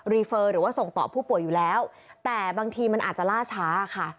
เฟอร์หรือว่าส่งต่อผู้ป่วยอยู่แล้วแต่บางทีมันอาจจะล่าช้าค่ะ